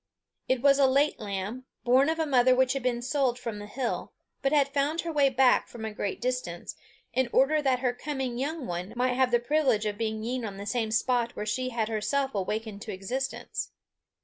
It was a late lamb, born of a mother which had been sold from the hill, but had found her way back from a great distance, in order that her coming young one might have the privilege of being yeaned on the same spot where she had herself awaked to existence.